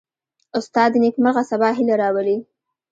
استاد د نیکمرغه سبا هیله راولي.